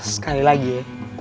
sekali lagi ya